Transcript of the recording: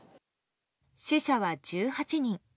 死者は１８人。